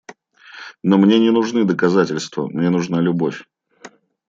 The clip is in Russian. Но мне не нужны доказательства, мне нужна любовь.